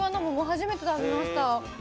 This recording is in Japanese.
初めて食べました。